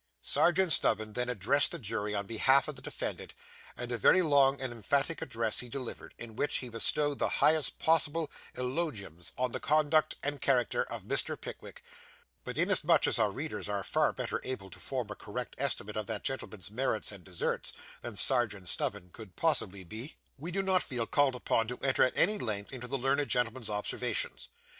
Serjeant Snubbin then addressed the jury on behalf of the defendant; and a very long and a very emphatic address he delivered, in which he bestowed the highest possible eulogiums on the conduct and character of Mr. Pickwick; but inasmuch as our readers are far better able to form a correct estimate of that gentleman's merits and deserts, than Serjeant Snubbin could possibly be, we do not feel called upon to enter at any length into the learned gentleman's observations.